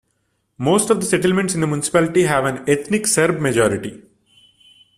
Most of the settlements in the municipality have an ethnic Serb majority.